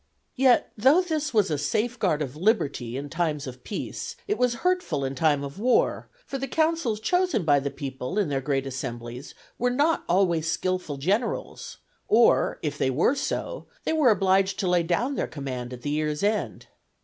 Yet though this was a safeguard of liberty in times of peace, it was hurtful in time of war, for the consuls chosen by the people in their great assemblies were not always skilful generals; or if they were so, they were obliged to lay down their command at the year's end.